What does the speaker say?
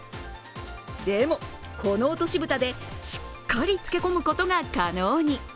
でも、この落とし蓋でしっかり漬け込むことが可能に。